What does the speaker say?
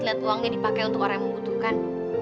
lihat uangnya dipakai untuk orang yang membutuhkan